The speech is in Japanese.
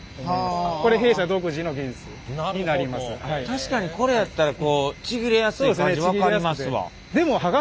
確かにこれやったらちぎれやすい感じ分かりますわ。